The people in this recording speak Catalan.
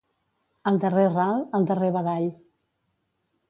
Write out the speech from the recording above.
Al darrer ral, el darrer badall.